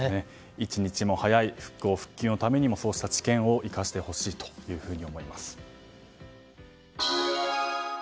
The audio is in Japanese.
一日も早い復旧・復興のためにそうした知見を生かしてほしいと思います。